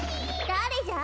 だれじゃ？